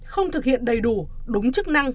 không thực hiện đầy đủ đúng chức năng